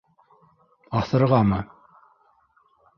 Аҫырғамы?..